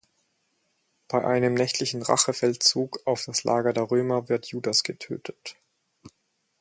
Bei einem nächtlichen Rachefeldzug auf das Lager der Römer wird Judas getötet.